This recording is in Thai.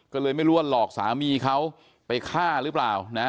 ก็เลยไม่รู้ว่าหลอกสามีเขาไปฆ่าหรือเปล่านะ